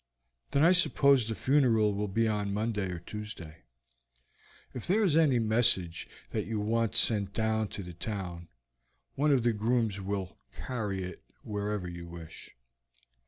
"Then I suppose the funeral will be on Monday or Tuesday. If there is any message that you want sent down to the town, one of the grooms will carry it whenever you wish."